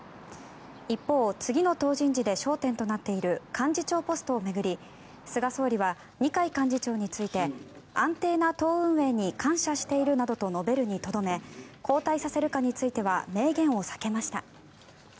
一方、次の党人事で焦点となっている幹事長ポストを巡り菅総理は二階幹事長について安定な党運営に感謝しているなどと述べるにとどめ交代させるかについては明言を避けました。